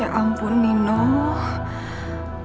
ya ampun inon